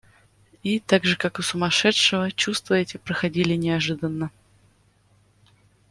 И, так же как у сумасшедшего, чувства эти проходили неожиданно.